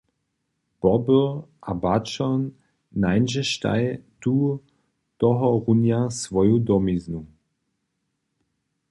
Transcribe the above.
Bobr a baćon nańdźeštaj tu tohorunja swoju domiznu.